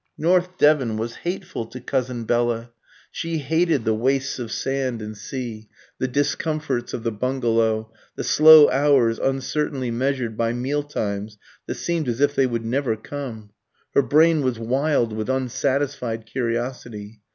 North Devon was hateful to cousin Bella. She hated the wastes of sand and sea, the discomforts of the bungalow, the slow hours uncertainly measured by meal times that seemed as if they would never come. Her brain was wild with unsatisfied curiosity.